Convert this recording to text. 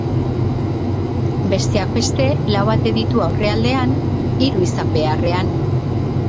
Besteak beste, lau ate ditu aurrealdean, hiru izan beharrean.